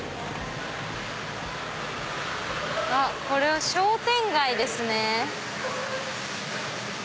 あっこれは商店街ですね。